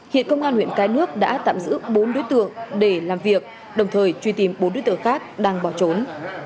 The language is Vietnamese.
hiện công an huyện cái nước đã tạm giữ bốn đối tượng để làm việc đồng thời truy tìm bốn đối tượng khác đang bỏ trốn